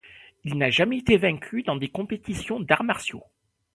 Il n'a jamais été vaincu dans des compétitions d'arts martiaux.